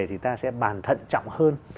thì ta sẽ bàn thận trọng hơn